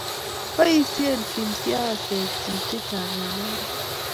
Baisheen Kim siashek chii chechang eng oret